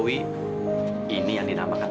ini yang disebutkan